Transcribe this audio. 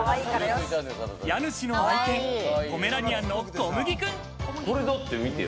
家主の愛犬ポメラニアンのこむぎくん。